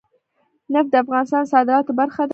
نفت د افغانستان د صادراتو برخه ده.